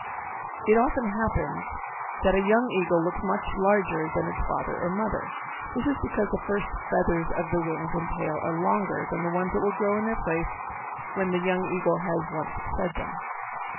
It often happens that a young eagle looks much larger than its father or mother. This is because the first feathers of the wings and tail are longer than the ones that grow in their place when the young eagle has once shed them.